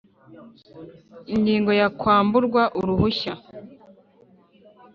Ingingo ya Kwamburwa uruhushya